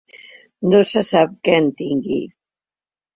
No sé sap que en tingui.